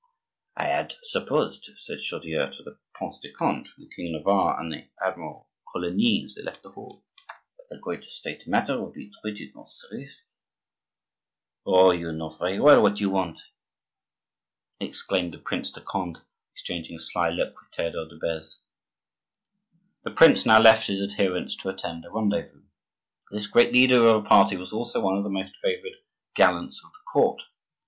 "I had supposed," said Chaudieu to the Prince de Conde, the King of Navarre, and Admiral Coligny, as they left the hall, "that a great State matter would be treated more seriously." "Oh! we know very well what you want," exclaimed the Prince de Conde, exchanging a sly look with Theodore de Beze. The prince now left his adherents to attend a rendezvous. This great leader of a party was also one of the most favored gallants of the court.